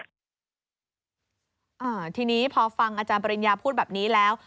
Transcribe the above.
อ่าทีนี้พอฟังอาจารย์ปริญญาพูดแบบนี้แล้ว